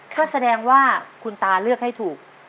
ก็แสดงว่าคุณตาเลือกให้ถูก